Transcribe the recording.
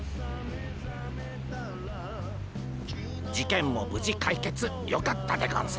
事件も無事解決よかったでゴンス。